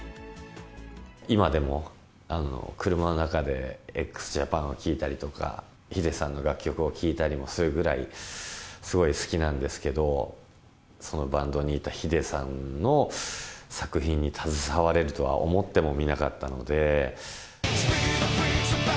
今でも車の中でＸＪＡＰＡＮを聴いたりとか、ｈｉｄｅさんの楽曲を聴いたりもするぐらい、すごい好きなんですけど、そのバンドにいたｈｉｄｅさんの作品に携われるとは思ってもみなかったので。